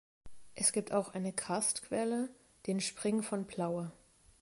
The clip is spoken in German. Es gibt auch eine Karstquelle, den Spring von Plaue.